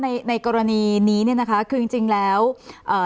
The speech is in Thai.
ในในกรณีนี้เนี่ยนะคะคือจริงจริงแล้วเอ่อ